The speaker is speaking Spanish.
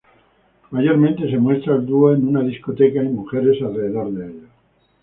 Mayormente se muestra al dúo en una discoteca y mujeres alrededor de ellos.